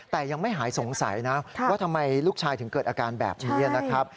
แต่ยังไม่หายสงสัยนะว่าทำไมลูกชายถึงเกิดอาการแบบนี้นะครับ